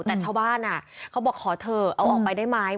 แต่ชาวบ้านเขาบอกขอเถอะเอาออกไปได้ไหม